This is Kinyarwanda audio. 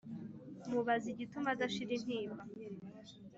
Mubaze igituma adashira intimba